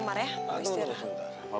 aduh tunggu sebentar